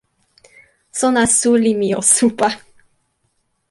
sona suli mi o supa!